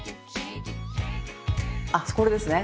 あっこれですね。